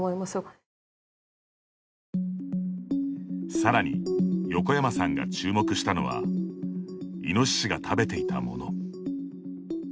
さらに横山さんが注目したのはイノシシが食べていたもの。